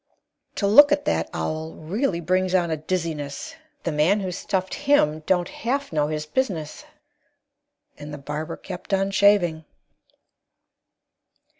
To look at that owl really brings on a dizziness; The man who stuffed him don't half know his business!" And the barber kept on shaving.